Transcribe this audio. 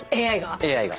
ＡＩが？